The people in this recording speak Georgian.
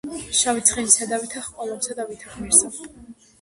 შავი ცხენი სადავითა ჰყვა ლომსა და ვითა გმირსა